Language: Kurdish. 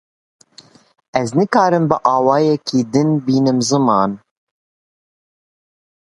Ez nikarim bi awayekî din bînim zimên.